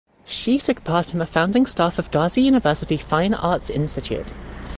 She took part in the founding staff of Gazi University Fine Arts Institute.